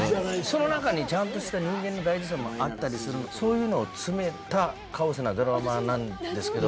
その中にちゃんとした人間の大事さもあったりするそういうのを詰めたカオスなドラマなんですけど。